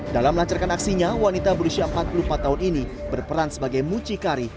dalam melancarkan aksinya wanita berusia empat puluh empat tahun ini berperan sebagai mucikari